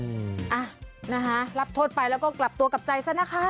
อ่ะนะคะรับโทษไปแล้วก็กลับตัวกลับใจซะนะคะ